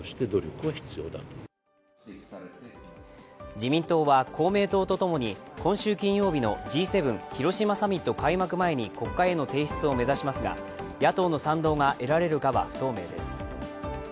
自民党は、公明党とともに今週金曜日のＧ７広島サミット開幕前に国会への提出を目指しますが、野党の賛同が得られるかは不透明です。